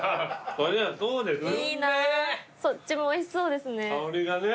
そっちもおいしそうですね。